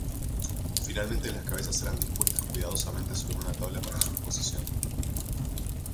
Finalmente las cabezas eran dispuestas cuidadosamente sobre una tabla para su exposición.